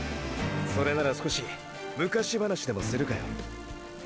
それなら少し昔話でもするかよ。